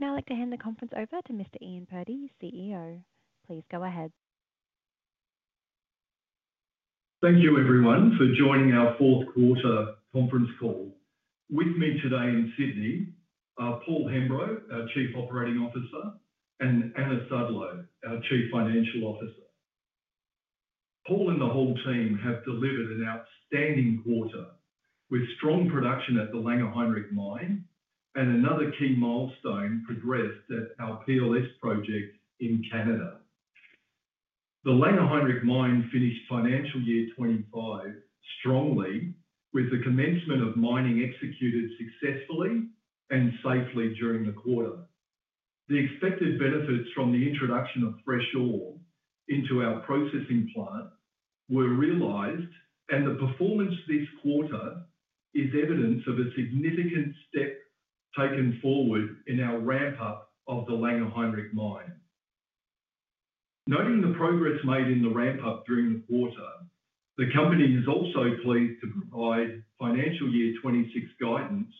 Would now like to hand the conference over to Mr. Ian Purdy, CEO. Please go ahead. Thank you, everyone, for joining our fourth quarter conference call. With me today in Sydney are Paul Hemburrow, our Chief Operating Officer, and Anna Sudlow, our Chief Financial Officer. Paul and the whole team have delivered an outstanding quarter with strong production at the Langer Heinrich Mine and another key milestone progressed at our PLS Project in Canada. The Langer Heinrich Mine finished financial year 2025 strongly, with the commencement of mining executed successfully and safely during the quarter. The expected benefits from the introduction of fresh ore into our processing plant were realized, and the performance this quarter is evidence of a significant step taken forward in our ramp-up of the Langer Heinrich Mine. Noting the progress made in the ramp-up during the quarter, the company has also pleased to provide financial year 2026 guidance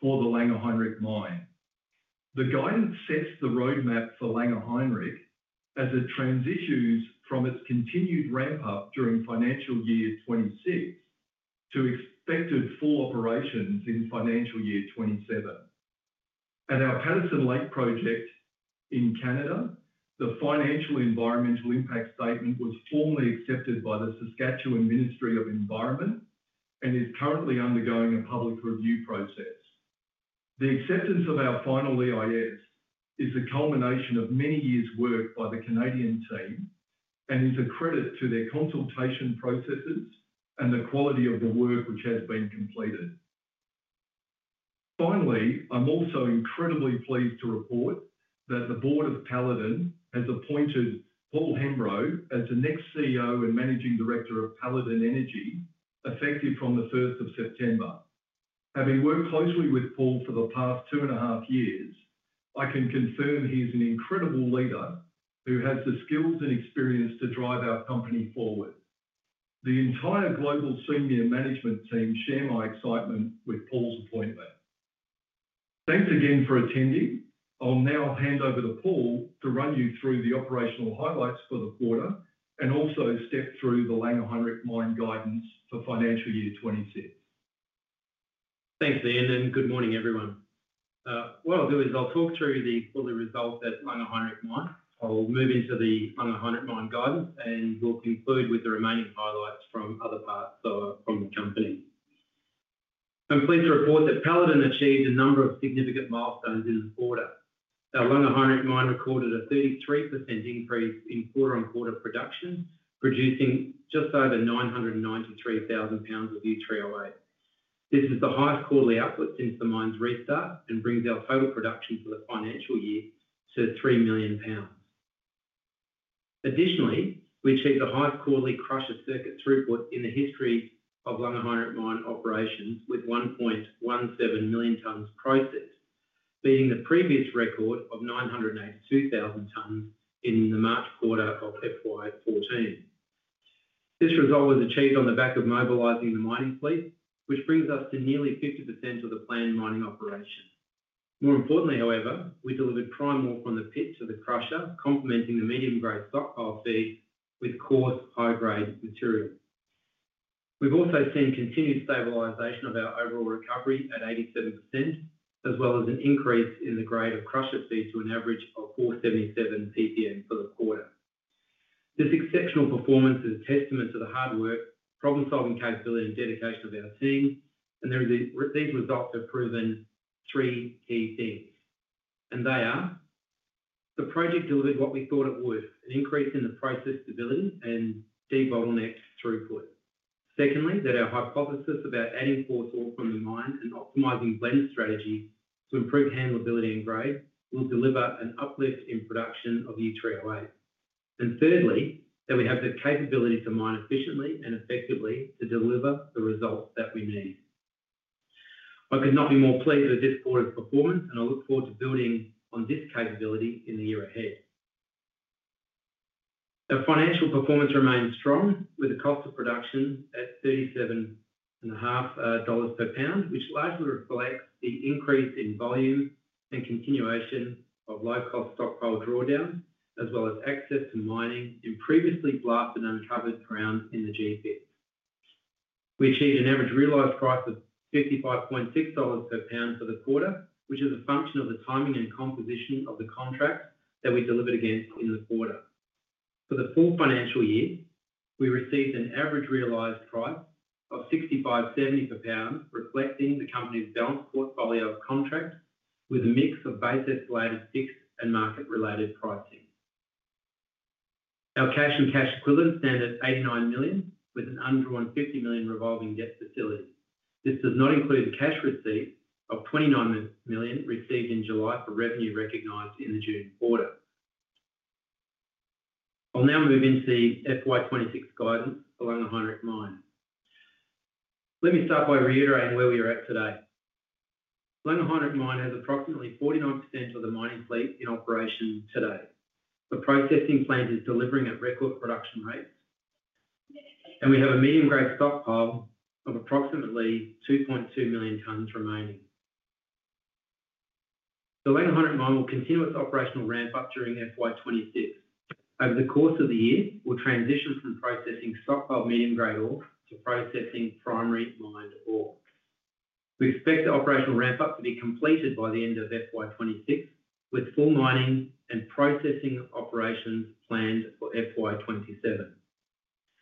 for the Langer Heinrich Mine. The guidance sets the roadmap for Langer Heinrich as it transitions from its continued ramp-up during financial year 2026 to expected full operations in financial year 2027. At our PLS Project in Canada, the final Environmental Impact Statement was formally accepted by the Saskatchewan Ministry of Environment and is currently undergoing a public review process. The acceptance of our final EIS is the culmination of many years' work by the Canadian team and is a credit to their consultation processes and the quality of the work which has been completed. Finally, I'm also incredibly pleased to report that the Board of Paladin has appointed Paul Hemburrow as the next CEO and Managing Director of Paladin Energy, effective from the 1st of September. Having worked closely with Paul for the past two and a half years, I can confirm he is an incredible leader who has the skills and experience to drive our company forward. The entire global senior management team share my excitement with Paul's appointment. Thanks again for attending. I'll now hand over to Paul to run you through the operational highlights for the quarter and also step through the Langer Heinrich Mine guidance for financial year 2026. Thanks, Ian, and good morning, everyone. What I'll do is I'll talk through the quarterly results at Langer Heinrich Mine. I'll move into the Langer Heinrich Mine guidance and we'll conclude with the remaining highlights from other parts from the company. I'm pleased to report that Paladin achieved a number of significant milestones in this quarter. Our Langer Heinrich Mine recorded a 33% increase in quarter-on-quarter production, producing just over 993,000 lbs of U3O8. This is the highest quarterly output since the mine's restart and brings our total production for the financial year to 3 million pounds. Additionally, we achieved the highest quarterly crush or circuit throughput in the history of Langer Heinrich Mine operations, with 1.17 million tonnes processed, beating the previous record of 902,000 tonnes in the March quarter of FY 2014. This result was achieved on the back of mobilizing the mining fleet, which brings us to nearly 50% of the planned mining operation. More importantly, however, we delivered primary ore from the pit to the crusher, complementing the medium-grade stockpile feed with coarse high-grade material. We've also seen continued stabilisation of our overall recovery at 87%, as well as an increase in the grade of crusher feed to an average of 477 ppm for the quarter. This exceptional performance is a testament to the hard work, problem-solving capability, and dedication of our team, and the team's results have proven three key things, and they are: the project delivered what we thought it would, an increase in the process stability and de-bottlenecked throughput. Secondly, that our hypothesis about adding fresh ore from the mine and optimising blend strategy to improve handleability and grade will deliver an uplift in production of U3O8. And thirdly, that we have the capability to mine efficiently and effectively to deliver the results that we need. I could not be more pleased with this quarter's performance, and I look forward to building on this capability in the year ahead. Our financial performance remains strong, with the cost of production at $37.50 per lbs, which largely reflects the increase in volume and continuation of low-cost stockpile drawdowns, as well as access to mining in previously bluffed and uncovered ground in the GP. We achieved an average realised price of $55.60 per lbs for the quarter, which is a function of the timing and composition of the contracts that we delivered against in the quarter. For the full financial year, we received an average realised price of $65.70 per lbs, reflecting the company's balanced portfolio contract with a mix of basis-related fixed and market-related pricing. Our cash and cash equivalents stand at $89 million, with an undrawn $50 million revolving debt facility. This does not include a cash receipt of $29 million received in July for revenue recognised in the June quarter. I'll now move into the FY 2026 guidance for Langer Heinrich Mine. Let me start by reiterating where we are at today. Langer Heinrich Mine has approximately 49% of the mining fleet in operation today. The processing plant is delivering at record production rates, and we have a medium-grade stockpile of approximately 2.2 million tonnes remaining. The Langer Heinrich Mine will continue its operational ramp-up during FY 2026. Over the course of the year, we'll transition from processing stockpile medium-grade ore to processing primary mined ore. We expect the operational ramp-up to be completed by the end of FY 2026, with full mining and processing operations planned for FY 2027.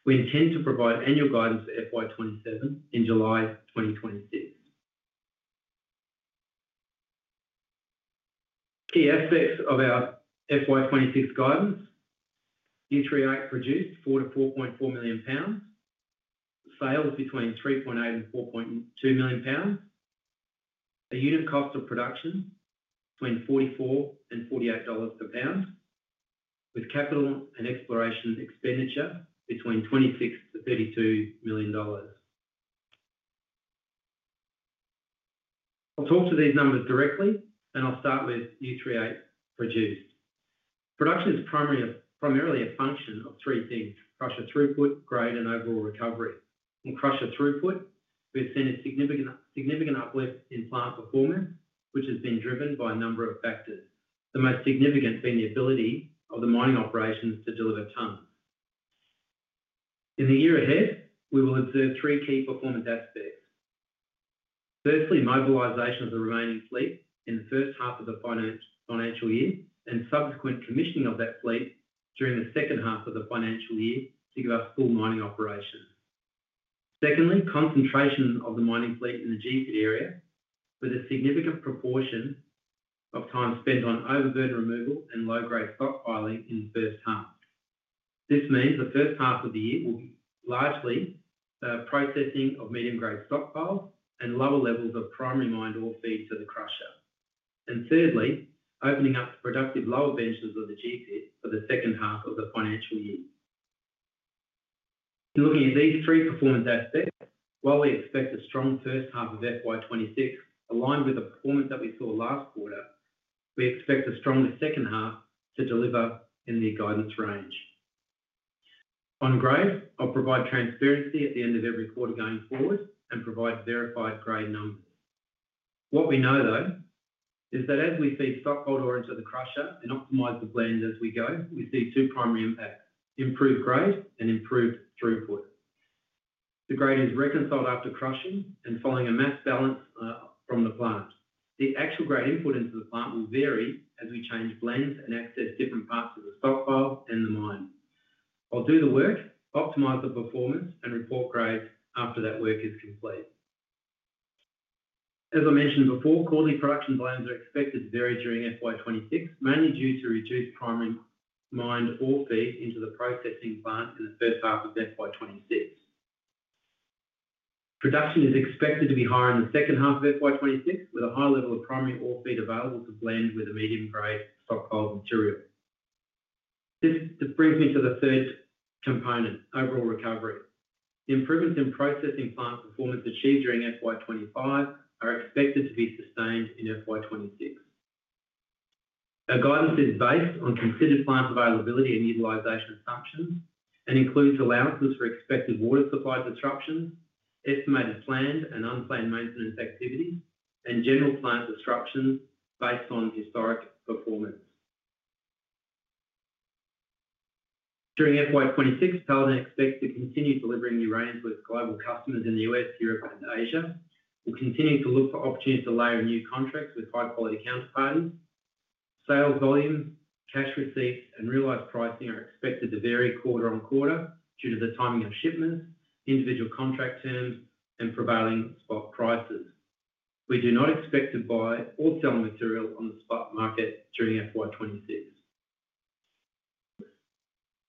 We intend to provide annual guidance FY 2027 in July 2026. Key aspects of our FY 2026 guidance: U3O8 produced 4 million lbs-4.4 million lbs, sales between 3.8 million lbs and 4.2 million lbs, a unit cost of production between $44 per lbs and $48 per lbs, with capital and exploration expenditure betw`een $26 million-$32 million. I'll talk to these numbers directly, and I'll start with U3O8 produced. Production is primarily a function of three things: crusher throughput, grade, and overall recovery. In crusher throughput, we've seen a significant uplift in plant performance, which has been driven by a number of factors, the most significant being the ability of the mining operations to deliver tonnes. In the year ahead, we will observe three key performance aspects. Firstly, mobilisation of the remaining fleet in the first half of the financial year and subsequent commissioning of that fleet during the second half of the financial year to give us full mining operations. Secondly, concentration of the mining fleet in the GP area with a significant proportion of time spent on overburden removal and low-grade stockpiling in the first half. This means the first half of the year will be largely processing of medium-grade stockpile and lower levels of primary mined ore feed to the crusher. Thirdly, opening up productive lower benches of the GP for the second half of the financial year. Looking at these three performance aspects, while we expect a strong first half of FY 2026, aligned with the performance that we saw last quarter, we expect a stronger second half to deliver in the guidance range. On grade, I'll provide transparency at the end of every quarter going forward and provide verified grade numbers. What we know, though, is that as we feed stockpile ore into the crusher and optimize the blend as we go, we see two primary impacts: improved grade and improved throughput. The grade is reconciled after crushing and following a mass balance from the plant. The actual grade input into the plant will vary as we change blends and access different parts of the stockpile and the mine. I'll do the work, optimize the performance, and report grade after that work is complete. As I mentioned before, quarterly production blends are expected to vary during FY 2026, mainly due to reduced primary mined ore feed into the processing plant in the first half of FY 2026. Production is expected to be higher in the second half of FY 2026, with a high level of primary ore feed available to blend with a medium-grade stockpile material. This brings me to the third component: overall recovery. Improvements in processing plant performance achieved FY 2025 are expected to be sustained in FY 2026. Our guidance is based on considered plant availability and utilization assumptions and includes allowances for expected water supply disruptions, estimated planned and unplanned maintenance activities, and general plant disruptions based on historic performance. During FY 2026, Paladin expects to continue delivering uranium to its global customers in the U.S., Europe, and Asia. We continue to look for opportunities to layer new contracts with high-quality counterparts. Sales volume, cash receipts, and realized uranium pricing are expected to vary quarter on quarter due to the timing of shipments, individual contract terms, and prevailing stock prices. We do not expect to buy or sell material on the spot market during FY 2026.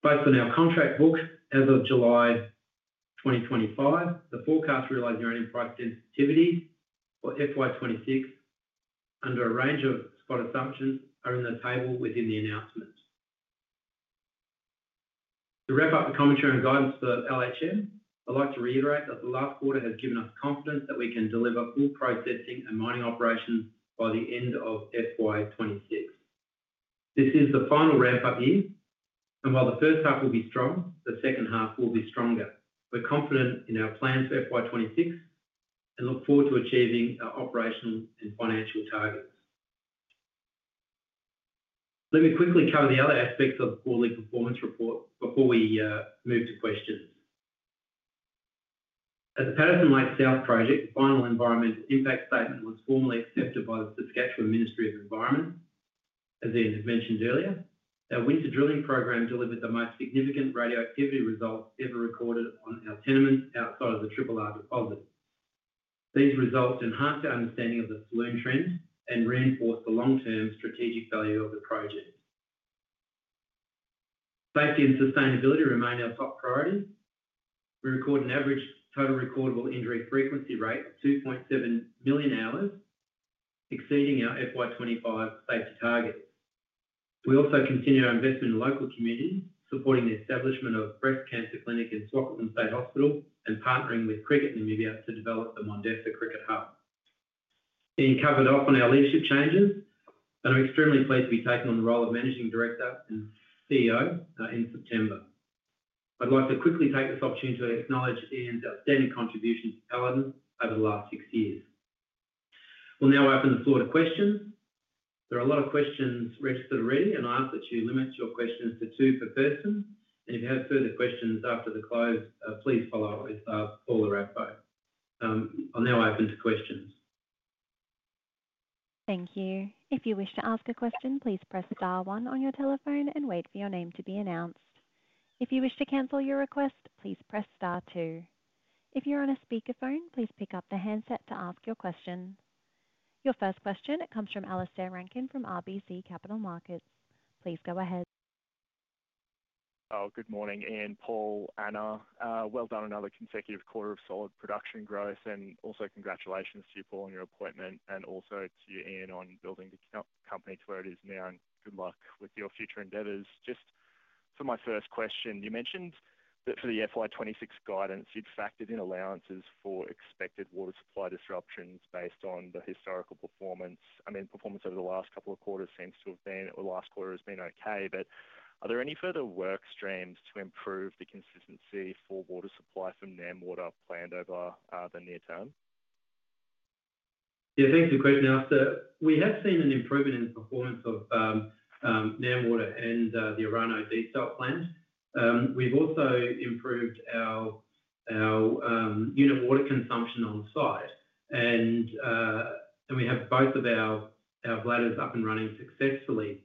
Based on our contract book as of July 2025, the forecast to realize uranium price sensitivities for FY 2026 under a range of spot assumptions are in the table within the announcements. To wrap up the commentary on guidance for Langer Heinrich Mine, I'd like to reiterate that the last quarter has given us confidence that we can deliver full processing and mining operations by the end of FY 2026. This is the final ramp-up year, and while the first half will be strong, the second half will be stronger. We're confident in our plans for FY 2026 and look forward to achieving our operational and financial targets. Let me quickly cover the other aspects of the quarterly performance report before we move to questions. At the Patterson Lake South Project, the final Environmental Impact Statement was formally accepted by the Saskatchewan Ministry of Environment. As Ian had mentioned earlier, our winter drilling program delivered the most significant radioactivity results ever recorded on our tenements outside of the Triple R deposit. These results enhance our understanding of the flume trend and reinforce the long-term strategic value of the project. Safety and sustainability remain our top priorities. We record an average total recordable injury frequency rate of 2.7 million hours, exceeding FY 2025 safety target. We also continue our investment in local communities, supporting the establishment of a breast cancer clinic in Swakopmund State Hospital and partnering with Cricket Namibia to develop the Mondesa Cricket Hub. Ian covered off on our leadership changes, and I'm extremely pleased to be taking on the role of Managing Director and CEO in September. I'd like to quickly take this opportunity to acknowledge Ian's outstanding contribution to Paladin over the last six years. We'll now open the floor to questions. There are a lot of questions registered already, and I ask that you limit your questions to two per person. If you have further questions after the close, please follow up with Paul or our team. I'll now open to questions. Thank you. If you wish to ask a question, please press star one on your telephone and wait for your name to be announced. If you wish to cancel your request, please press star two. If you're on a speakerphone, please pick up the handset to ask your question. Your first question comes from Alistair Rankin from RBC Capital Markets. Please go ahead. Good morning, Ian, Paul, Anna. Well done, another consecutive quarter of solid production growth, and also congratulations to you, Paul, on your appointment and to you, Ian, on building the company to where it is now. Good luck with your future endeavors. For my first question, you mentioned that for the FY 2026 guidance, you'd factored in allowances for expected water supply disruptions based on the historical performance. Performance over the last couple of quarters seems to have been, or the last quarter has been, okay, but are there any further work streams to improve the consistency for water supply from NamWater planned over the near term? Yeah, thanks for the question, Alistair. We have seen an improvement in the performance of NamWater and the Orano Deep Salt Plant. We've also improved our unit of water consumption on site, and we have both of our bladders up and running successfully.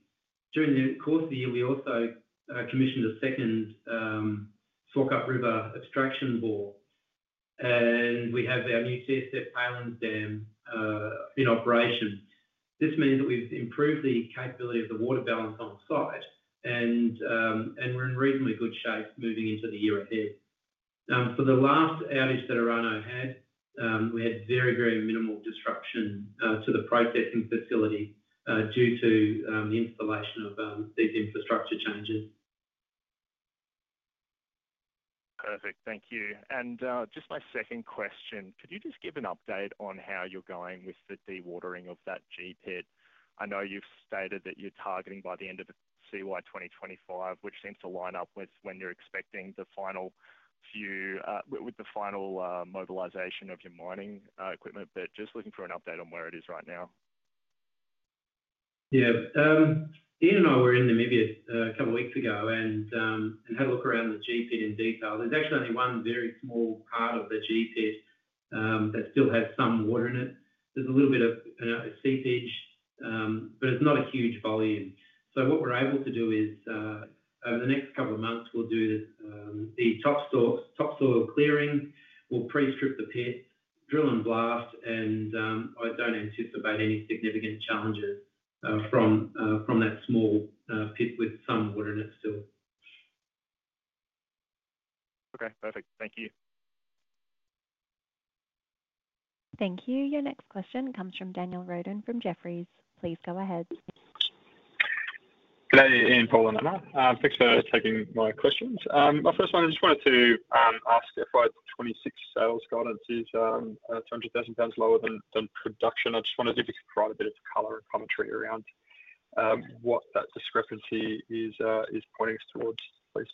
During the course of the year, we also commissioned a second Swakop River extraction bore, and we have our new TSF Palan Dam in operation. This means that we've improved the capability of the water balance on site, and we're in reasonably good shape moving into the year ahead. For the last outage that Orano had, we had very, very minimal disruption to the processing facility due to the installation of these infrastructure changes. Perfect, thank you. Just my second question, could you give an update on how you're going with the dewatering of that GP? I know you've stated that you're targeting by the end of the CY 2025, which seems to line up with when you're expecting the final few with the final mobilisation of your mining equipment, just looking for an update on where it is right now. Yeah, Ian and I were in Namibia a couple of weeks ago and had a look around the GP in detail. There's actually only one very small part of the GP that still has some water in it. There's a little bit of seepage, but it's not a huge volume. What we're able to do is over the next couple of months, we'll do the topsoil clearing, we'll pre-strip the pit, drill and blast, and I don't anticipate any significant challenges from that small pit with some water in it still. Okay, perfect, thank you. Thank you. Your next question comes from Daniel Roden from Jefferies. Please go ahead. Good afternoon, Ian, Paul, and Anna. Thanks for taking my questions. My first one, I just wanted to ask FY 2026 sales guidance is $200,000 lower than production. I just wondered if you could provide a bit of color and commentary around what that discrepancy is pointing us towards, please.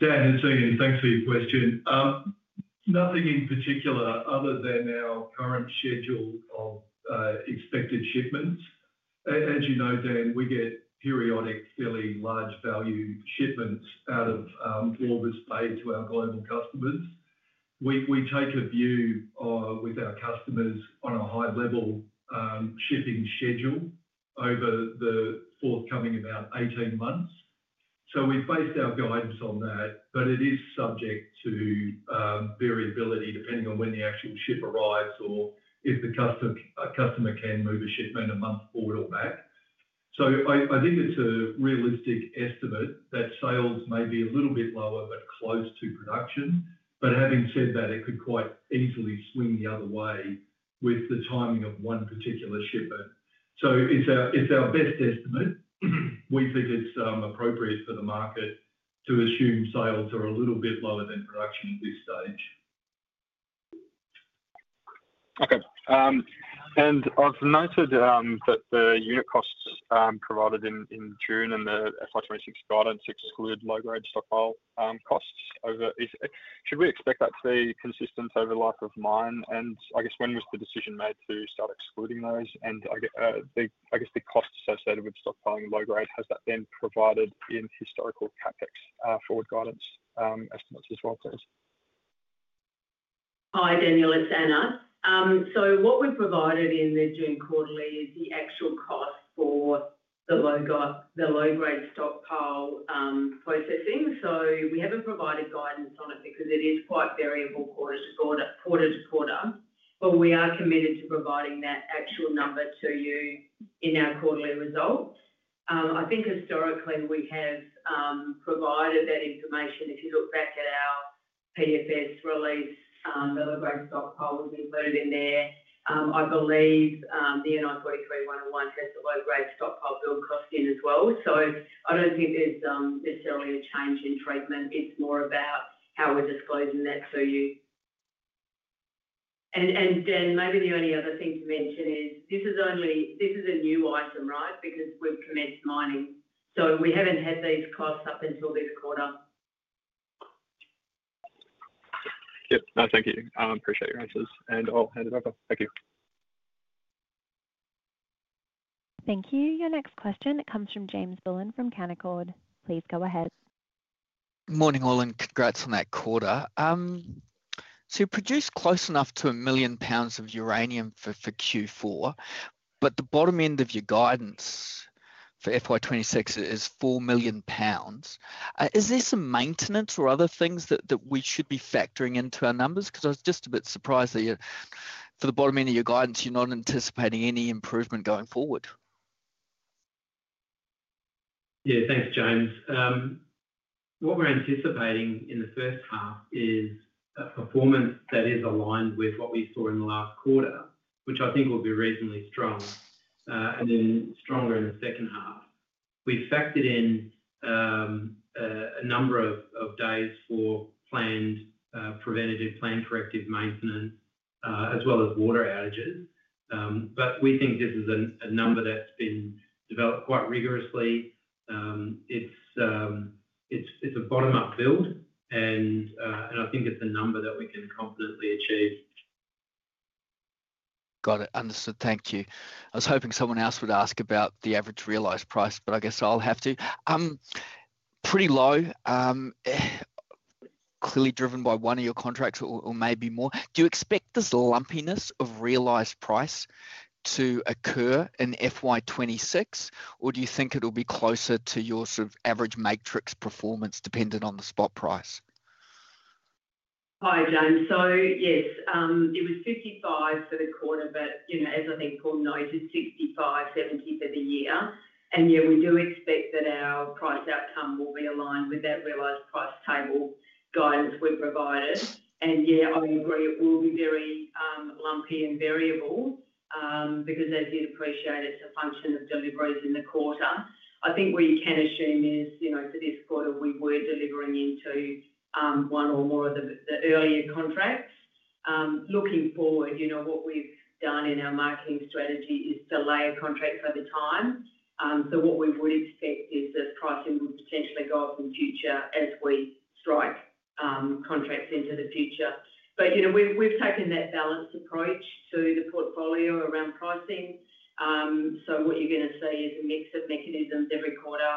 Daniel, thanks for your question. Nothing in particular other than our current schedule of expected shipments. As you know, Dan, we get periodic really large value shipments out of Walvis Bay to our global customers. We take a view with our customers on a high-level shipping schedule over the forthcoming about 18 months. We've based our guidance on that, but it is subject to variability depending on when the actual ship arrives or if the customer can move a shipment a month forward or back. I think it's a realistic estimate that sales may be a little bit lower but close to production. Having said that, it could quite easily swing the other way with the timing of one particular shipment. It's our best estimate. We think it's appropriate for the market to assume sales are a little bit lower than production at this stage. Okay. I've noted that the unit costs provided in June and the FY 2026 guidance exclude low-grade stockpile costs. Should we expect that to be consistent over the life of mine? I guess when was the decision made to start excluding those? I guess the costs associated with stockpiling low grade, has that been provided in historical CapEx forward guidance estimates as well, please? Hi, Daniel, it's Anna. What we've provided in the June quarterly is the actual cost for the low-grade stockpile processing. We haven't provided guidance on it because it is quite variable quarter to quarter, but we are committed to providing that actual number to you in our quarterly result. I think historically we have provided that information. If you look back at our PDFs release, the low-grade stockpile will be included in there. I believe the NI 43-101 has the low-grade stockpile build cost in as well. I don't think there's necessarily a change in treatment. It's more about how we're disclosing that for you. Dan, maybe the only other thing to mention is this is a new item, right? Because we've commenced mining. We haven't had these costs up until this quarter. Thank you. Appreciate your answers. I'll hand it over. Thank you. Thank you. Your next question comes from James Bullen from Canaccord. Please go ahead. Morning, all, and congrats on that quarter. You produced close enough to 1 million lbs of uranium for Q4, but the bottom end of your guidance for FY 2026 is 4 million lbs. Is there some maintenance or other things that we should be factoring into our numbers? I was just a bit surprised that for the bottom end of your guidance, you're not anticipating any improvement going forward. Yeah, thanks, James. What we're anticipating in the first half is a performance that is aligned with what we saw in the last quarter, which I think will be reasonably strong and then stronger in the second half. We've factored in a number of days for planned preventative, planned corrective maintenance, as well as water outages. We think this is a number that's been developed quite rigorously. It's a bottom-up build, and I think it's a number that we can confidently achieve. Got it. Understood. Thank you. I was hoping someone else would ask about the average realised price, but I guess I'll have to. Pretty low, clearly driven by one of your contracts or maybe more. Do you expect this lumpiness of realised price to occur in FY 2026, or do you think it'll be closer to your sort of average matrix performance dependent on the spot price? Hi, James. Yes, it was 55 for the quarter, but as I think Paul noted, 65, 70 for the year. We do expect that our price outcome will be aligned with that realised price table guidance we've provided. I agree it will be very lumpy and variable because, as you'd appreciate, it's a function of deliveries in the quarter. What you can assume is, for this quarter, we were delivering into one or more of the earlier contracts. Looking forward, what we've done in our marketing strategy is to layer contracts over time. We would expect that pricing would potentially go up in the future as we strike contracts into the future. We've taken that balanced approach to the portfolio around pricing. What you're going to see is a mix of mechanisms every quarter.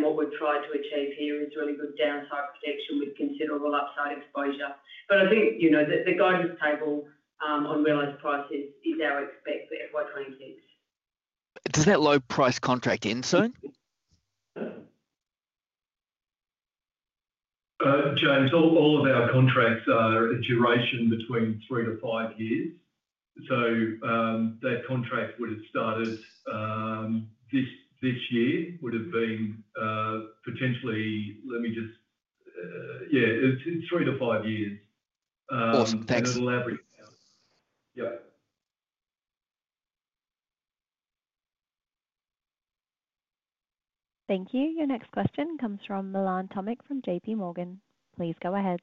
What we've tried to achieve here is really good downside protection with considerable upside exposure. I think the guidance table on realised pricing is our expect for FY 2026. Does that low price contract end soon? James, all of our contracts are a duration between three to five years. That contract would have started this year, would have been potentially, let me just, yeah, it's three to five years. On average. Yep. Thank you. Your next question comes from Milan Tomic from JPMorgan. Please go ahead.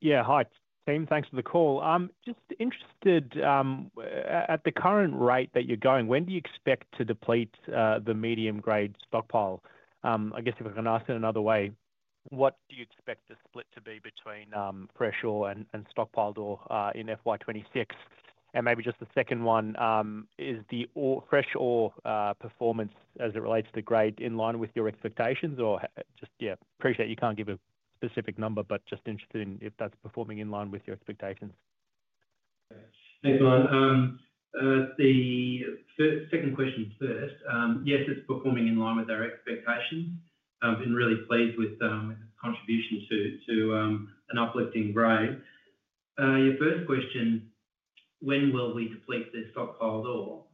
Yeah, hi. Ian, thanks for the call. Just interested, at the current rate that you're going, when do you expect to deplete the medium-grade stockpile? I guess if I can ask it another way, what do you expect the split to be between fresh ore and stockpiled ore in FY 2026? Maybe just the second one, is the fresh ore performance as it relates to the grade in line with your expectations? I appreciate you can't give a specific number, but just interested in if that's performing in line with your expectations. Thanks, Milan. The second question first. Yes, it's performing in line with our expectations. I've been really pleased with the contribution to an uplifting grade. Your first question, when will we deplete the stockpiled ore?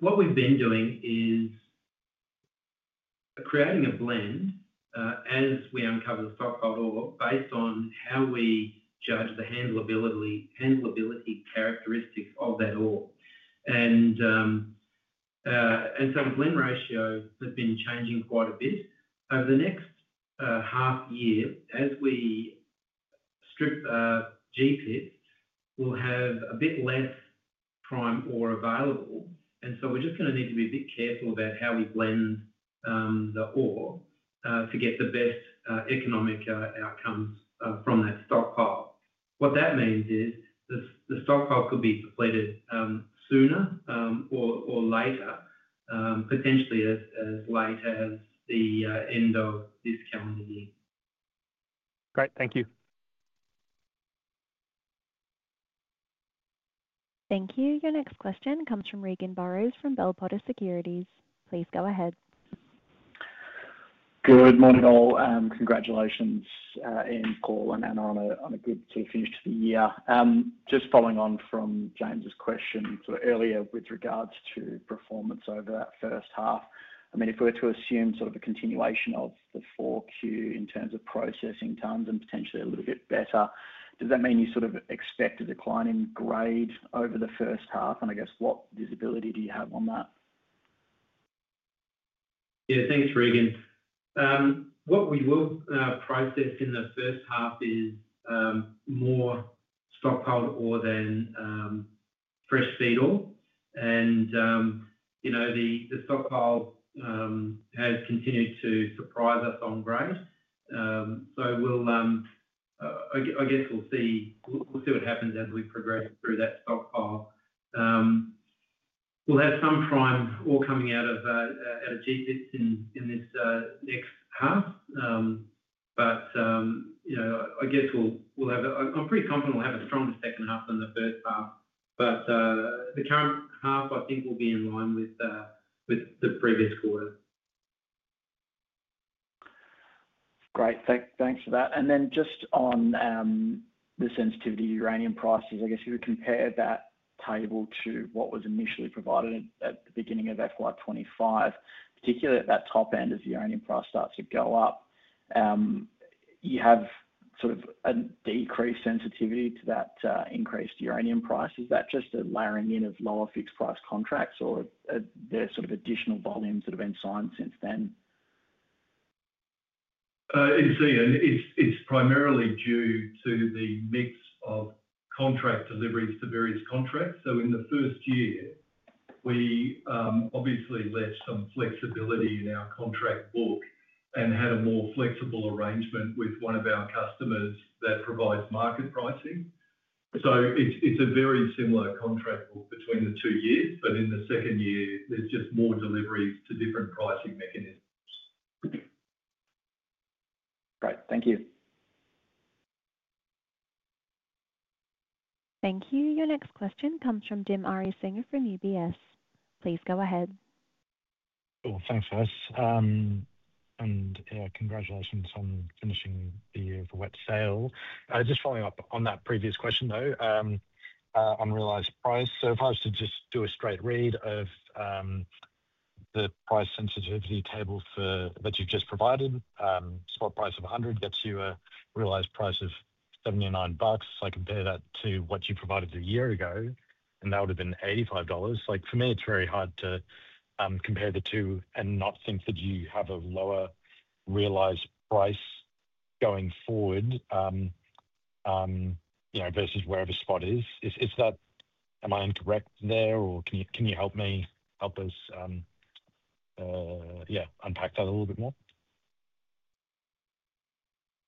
What we've been doing is creating a blend as we uncover the stockpiled ore based on how we judge the handleability characteristics of that ore. The blend ratio has been changing quite a bit. Over the next half year, as we strip GPs, we'll have a bit less prime ore available. We're just going to need to be a bit careful about how we blend the ore to get the best economic outcomes from that stockpile. What that means is the stockpile could be depleted sooner or later, potentially as late as the end of this calendar year. Great, thank you. Thank you. Your next question comes from Regan Burrows from Bell Potter Securities. Please go ahead. Good morning, all. Congratulations, Ian, Paul, and Anna on a good sort of finish to the year. Just following on from James's question earlier with regards to performance over that first half. If we're to assume a continuation of the 4Q in terms of processing tons and potentially a little bit better, does that mean you expect a declining grade over the first half? I guess what visibility do you have on that? Yeah, thanks, Regan. What we will process in the first half is more stockpiled ore than fresh feed ore. The stockpile has continued to surprise us on grade. I guess we'll see what happens as we progress through that stockpile. We'll have some prime ore coming out of GPs in this next half. I'm pretty confident we'll have it stronger the second half than the first half. The current half, I think, will be in line with the previous quarter. Great, thanks for that. Just on the sensitivity to uranium prices, if you compare that table to what was initially provided at the beginning FY 2025, particularly at that top end as the uranium price starts to go up, you have sort of a decreased sensitivity to that increased uranium price. Is that just a layering in of lower fixed price contracts, or are there additional volumes that have been signed since then? In C, it's primarily due to the mix of contract deliveries to various contracts. In the first year, we obviously left some flexibility in our contract book and had a more flexible arrangement with one of our customers that provides market pricing. It's a very similar contract book between the two years, but in the second year, there's just more deliveries to different pricing mechanisms. Great, thank you. Thank you. Your next question comes from Dim Ariyasinghe from UBS. Please go ahead. Sure, thanks, Anna. Congratulations on finishing the year for wet sale. Just following up on that previous question on realised price. If I was to just do a straight read of the price sensitivity table that you've just provided, spot price of $100 gets you a realised price of $79. I compare that to what you provided a year ago, and that would have been $85. For me, it's very hard to compare the two and not think that you have a lower realised price going forward versus wherever spot is. Am I incorrect there or can you help us unpack that a little bit more?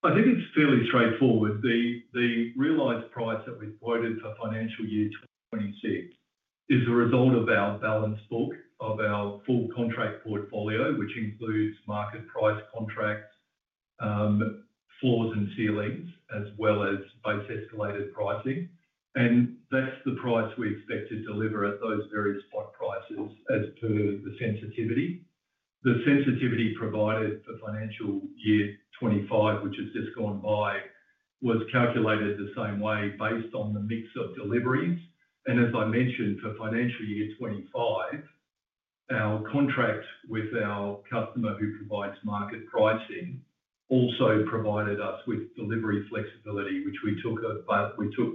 I think it's fairly straightforward. The realised price that we quoted for FY 2026 is the result of our balance book of our full contract portfolio, which includes market price contracts, floors, and ceilings, as well as both escalated pricing. That's the price we expect to deliver at those various spot prices as per the sensitivity. The sensitivity provided FY 2025, which has just gone by, was calculated the same way based on the mix of deliveries. As I mentioned, FY 2025, our contract with our customer who provides market pricing also provided us with delivery flexibility, which we took up, but we took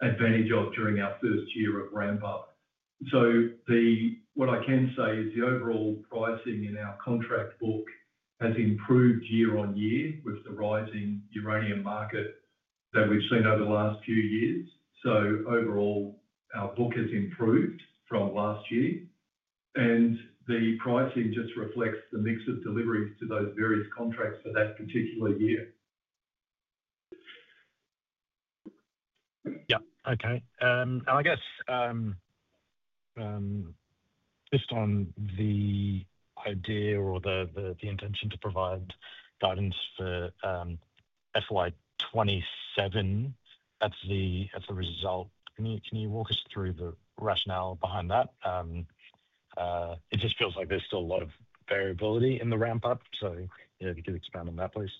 advantage of during our first year of ramp-up. What I can say is the overall pricing in our contract book has improved year on year with the rising uranium market that we've seen over the last few years. Overall, our book has improved from last year, and the pricing just reflects the mix of deliveries to those various contracts for that particular year. Okay. I guess just on the idea or the intention to provide guidance FY 2027 as the result, can you walk us through the rationale behind that? It just feels like there's still a lot of variability in the ramp-up. If you could expand on that, please.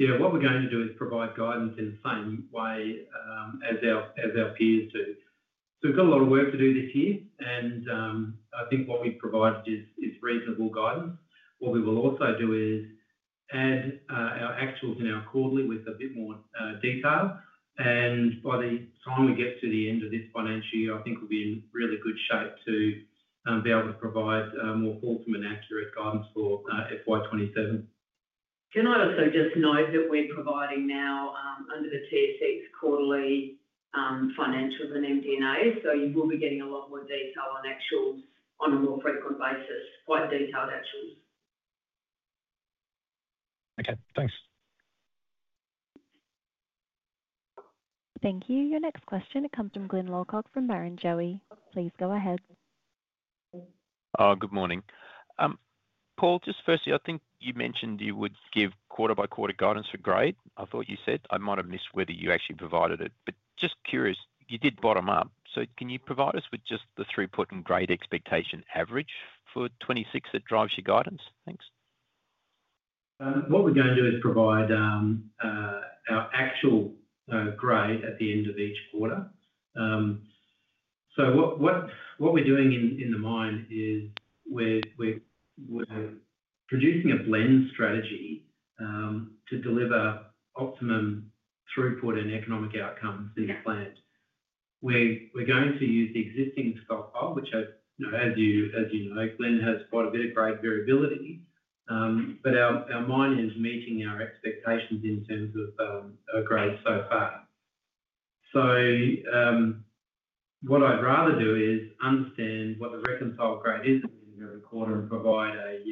What we're going to do is provide guidance in the same way as our peers do. We've got a lot of work to do this year, and I think what we've provided is reasonable guidance. We will also add our actuals in our quarterly with a bit more detail. By the time we get to the end of this financial year, I think we'll be in really good shape to be able to provide more thoughtful and accurate guidance for FY 2027. Can I also just note that we're providing now under the TSX quarterly financials and MD&A, so you will be getting a lot more detail on actuals on a more frequent basis, quite detailed actuals. Okay, thanks. Thank you. Your next question comes from Glyn Lawcock from Barrenjoey. Please go ahead. Oh, good morning. Paul, just firstly, I think you mentioned you would give quarter-by-quarter guidance for grade. I thought you said I might have missed whether you actually provided it, but just curious, you did bottom up. Can you provide us with just the throughput and grade expectation average for 2026 that drives your guidance? Thanks. What we're going to do is provide our actual grade at the end of each quarter. What we're doing in the mine is we're producing a blend strategy to deliver optimum throughput and economic outcomes to your plant. We're going to use the existing stockpile, which, as you know, Glyn, has quite a bit of grade variability, but our mine is meeting our expectations in terms of grades so far. I'd rather understand what the reconciled grade is at the end of the quarter and provide a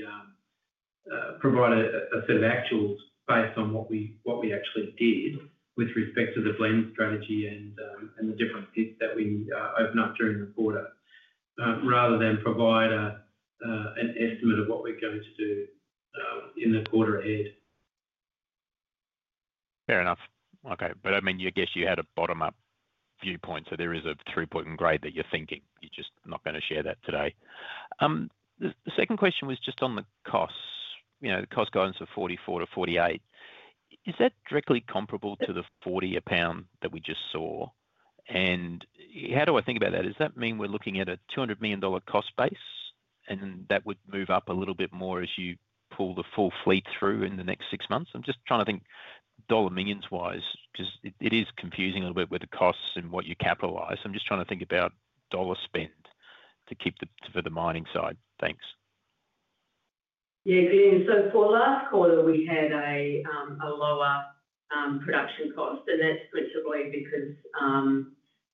set of actuals based on what we actually did with respect to the blend strategy and the different bits that we open up during the quarter, rather than provide an estimate of what we're going to do in the quarter ahead. Fair enough. Okay, I mean, I guess you had a bottom-up viewpoint. There is a throughput and grade that you're thinking. You're just not going to share that today. The second question was just on the costs, you know, the cost guidance of $44- $48. Is that directly comparable to the $40 a lbs that we just saw? How do I think about that? Does that mean we're looking at a $200 million cost base, and that would move up a little bit more as you pull the full fleet through in the next six months? I'm just trying to think dollar millions-wise because it is confusing a little bit with the costs and what you capitalize. I'm just trying to think about dollar spend to keep for the mining side. Thanks. Yeah, for last quarter, we had a lower production cost, and that's principally because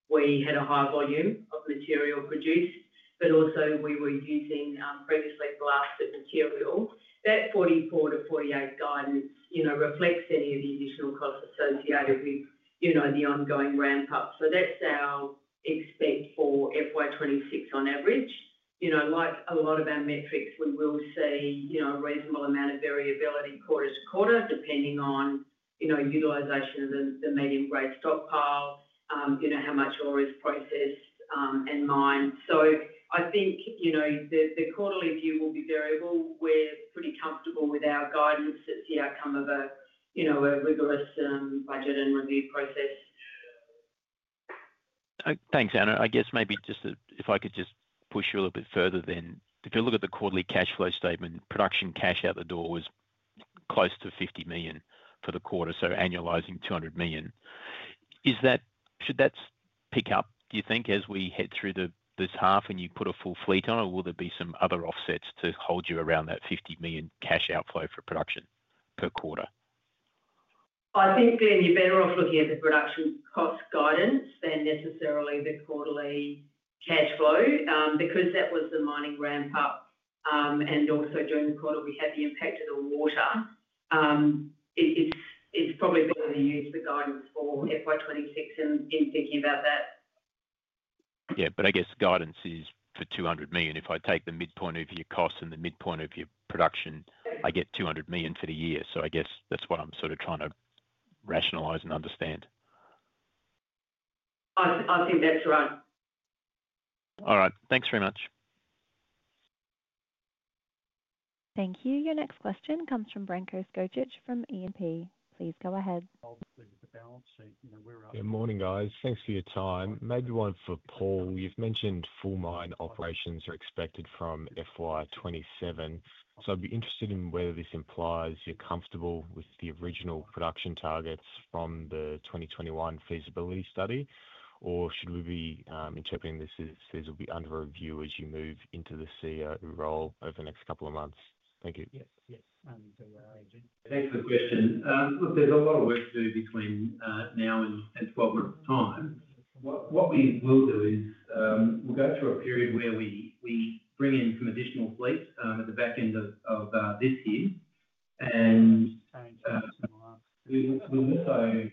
we had a high volume of material produced, but also we were using previously blasted material. That $44-$48 guidance reflects any of the additional costs associated with the ongoing ramp-up. That's our expect for FY 2026 on average. Like a lot of our metrics, we will see a reasonable amount of variability quarter to quarter depending on utilization of the medium-grade stockpile and how much ore is processed and mined. I think the quarterly view will be variable. We're pretty comfortable with our guidance. It's the outcome of a rigorous budget and review process. Thanks, Anna. I guess maybe if I could just push you a little bit further then, if you look at the quarterly cash flow statement, production cash out the door was close to $50 million for the quarter, so annualizing $200 million. Should that pick up, do you think, as we head through this half and you put a full fleet on, or will there be some other offsets to hold you around that $50 million cash outflow for production per quarter? I think, Glyn, you're better off looking at the production cost guidance than necessarily the quarterly cash flow because that was the mining ramp-up. Also, during the quarter, we had the impact of the water. It's probably better to use the guidance for FY 2026 in thinking about that. Yeah, I guess guidance is for $200 million. If I take the midpoint of your costs and the midpoint of your production, I get $200 million for the year. I guess that's what I'm sort of trying to rationalize and understand. I think that's right. All right. Thanks very much. Thank you. Your next question comes from Branko Skocic from E&P. Please go ahead. Morning, guys. Thanks for your time. Maybe one for Paul. You've mentioned full mine operations are expected FY 2027. i'd be interested in whether this implies you're comfortable with the original production targets from the 2021 feasibility study, or should we be interpreting this as these will be under review as you move into the CEO role over the next couple of months? Thank you. Thanks for the question. Look, there's a lot of work to do between now and 12 months' time. What we will do is we'll go through a period where we bring in some additional fleet at the back end of this year and optimize a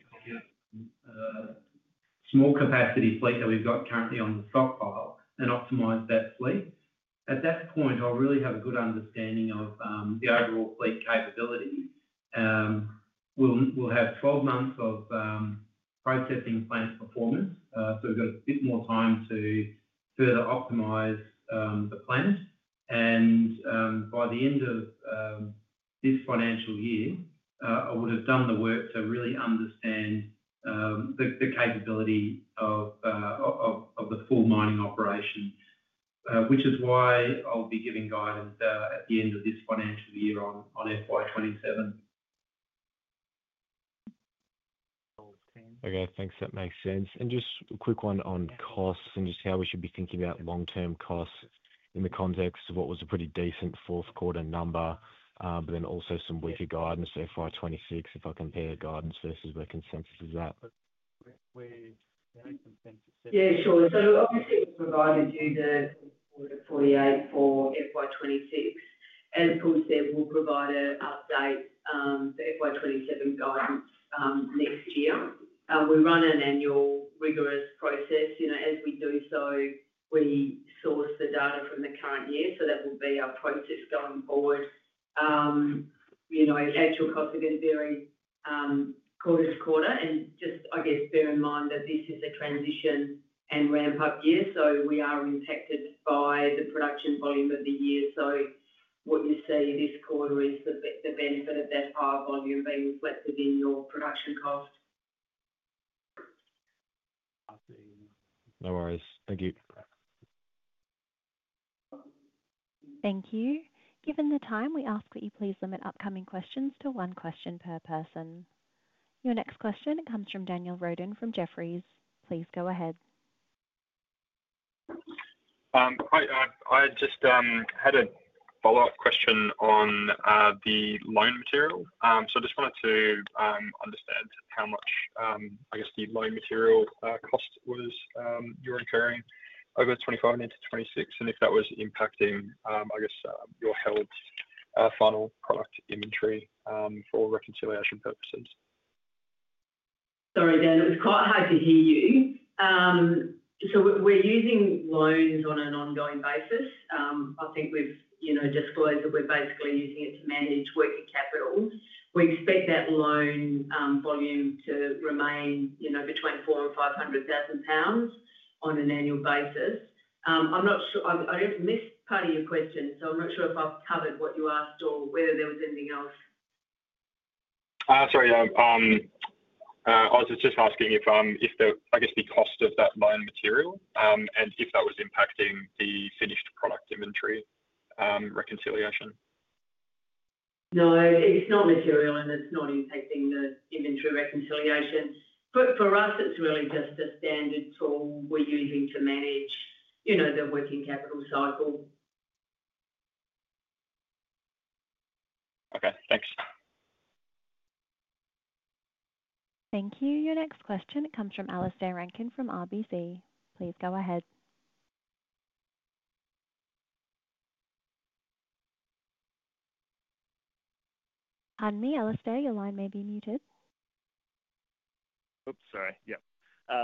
small capacity fleet that we've got currently on the stockpile and optimize that fleet. At that point, I'll really have a good understanding of the overall fleet capability. We'll have 12 months of processing plant performance. We've got a bit more time to further optimize the plant. By the end of this financial year, I would have done the work to really understand the capability of the full mining operation, which is why I'll be giving guidance at the end of this financial year on FY 2027. Okay, thanks. That makes sense. Just a quick one on costs and just how we should be thinking about long-term costs in the context of what was a pretty decent fourth quarter number, but then also some weaker guidance FY 2026 if I compare the guidance versus where consensus is at. Yeah, sure. Obviously, we provided you the 48 for FY 2026, and we'll provide an update FY 2027 guidance next year. We run an annual rigorous process. As we do so, we source the data from the current year. That will be our process going forward. Actual costs are going to vary quarter-to-quarter. Just bear in mind that this is a transition and ramp-up year. We are impacted by the production volume of the year. What you see this quarter is the benefit of that higher volume being reflected in your production cost. Nothing. No worries. Thank you. Thank you. Given the time, we ask that you please limit upcoming questions to one question per person. Your next question comes from Daniel Roden from Jefferies. Please go ahead. I just had a follow-up question on the loan material. I just wanted to understand how much, I guess, the loan material cost was you're inferring FY 2025 and into FY 2026, and if that was impacting, I guess, your health, our final product inventory for reconciliation purposes. Sorry, Dan, it was quite hard to hear you. We're using loans on an ongoing basis. I think we've disclosed that we're basically using it to manage working capital. We expect that loan volume to remain between $400,000 lbs and $500,000 lbs on an annual basis. I'm not sure I missed part of your question, so I'm not sure if I've covered what you asked or whether there was anything else. Sorry, I was just asking if the cost of that loan material and if that was impacting the finished product inventory reconciliation. No, it's not material, and it's not impacting the inventory reconciliation. For us, it's really just a standard tool we're using to manage the working capital cycle. Okay, thanks. Thank you. Your next question comes from Alistair Rankin from RBC. Please go ahead. Alistair, your line may be muted.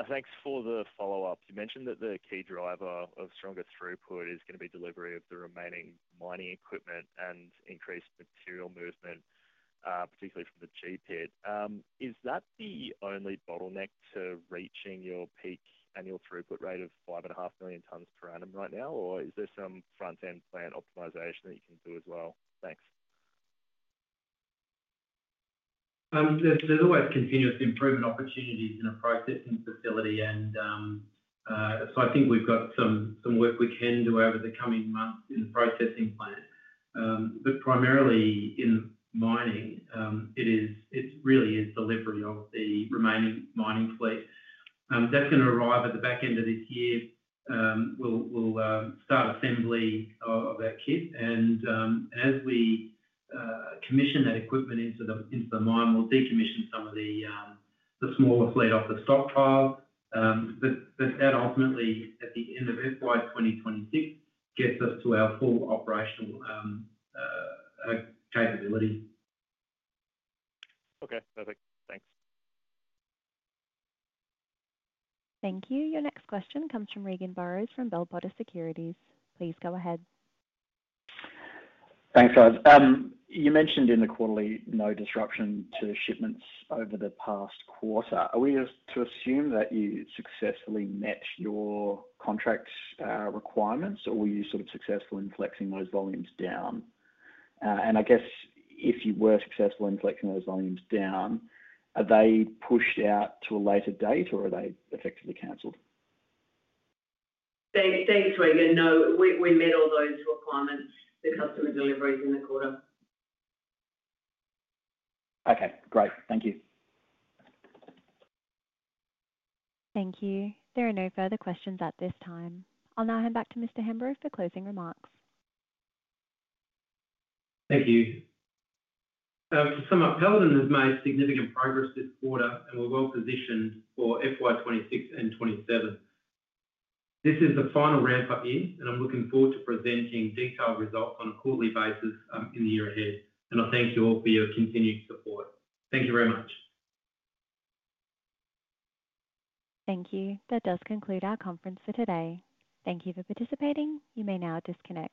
Thanks for the follow-up. You mentioned that the key driver of stronger throughput is going to be delivery of the remaining mining equipment and increased material movement, particularly from the GP. Is that the only bottleneck to reaching your peak annual throughput rate of 5.5 million tons per annum right now, or is there some front-end plant optimization that you can do as well? Thanks. There's always continuous improvement opportunities in a processing facility. I think we've got some work we can do over the coming months in the processing plant. Primarily in mining, it really is the delivery of the remaining mining fleet that's going to arrive at the back end of this year. We'll start assembly of that kit, and as we commission that equipment into the mine, we'll decommission some of the smaller fleet off the stockpile. That ultimately, at the end of FY 2026, gets us to our full operational capability. Okay, perfect. Thanks. Thank you. Your next question comes from Regan Burrows from Bell Potter Securities. Please go ahead. Thanks, Anna. You mentioned in the quarterly no disruption to shipments over the past quarter. Are we to assume that you successfully met your contract requirements, or were you sort of successful in collecting those volumes down? I guess if you were successful in collecting those volumes down, are they pushed out to a later date, or are they effectively cancelled? Dami, thanks, Regan. No, we met all those requirements for customer deliveries in the quarter. Okay, great. Thank you. Thank you. There are no further questions at this time. I'll now hand back to Mr. Hemburrow for closing remarks. Thank you. Paladin has made significant progress this quarter, and we're well positioned for FY 2026 and FY 2027. this is the final ramp-up year. I'm looking forward to presenting detailed results on a quarterly basis in the year ahead. I thank you all for your continued support. Thank you very much. Thank you. That does conclude our conference for today. Thank you for participating. You may now disconnect.